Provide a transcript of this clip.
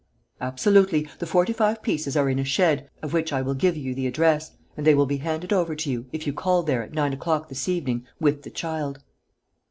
"Absolutely. The forty five pieces are in a shed, of which I will give you the address, and they will be handed over to you, if you call there, at nine o'clock this evening, with the child."